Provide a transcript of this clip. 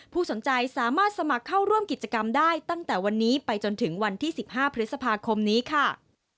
สนใจสามารถสมัครเข้าร่วมกิจกรรมได้ตั้งแต่วันนี้ไปจนถึงวันที่๑๕พฤษภาคมนี้ค่ะ